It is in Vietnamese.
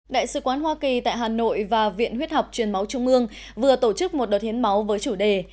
đại sứ quán hoa kỳ tại hà nội và viện huyết học truyền máu trung ương vừa tổ chức một đợt hiến máu với chủ đề